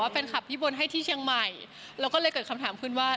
แฟนคลับพี่บนให้ที่เชียงใหม่เราก็เลยเกิดคำถามขึ้นว่า